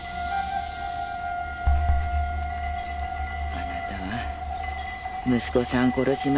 あなたは息子さん殺しましたね。